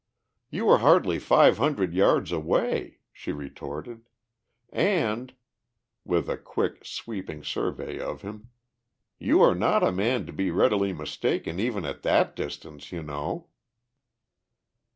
"You were hardly five hundred yards away," she retorted. "And," with a quick, sweeping survey of him, "you are not a man to be readily mistaken even at that distance, you know."